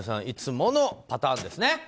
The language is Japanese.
いつものパターンですね。